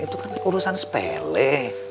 itu kan urusan sepele